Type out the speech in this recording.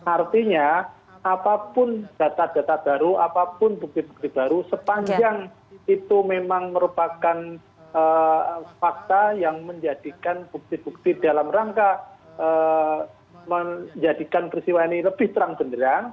artinya apapun data data baru apapun bukti bukti baru sepanjang itu memang merupakan fakta yang menjadikan bukti bukti dalam rangka menjadikan peristiwa ini lebih terang benderang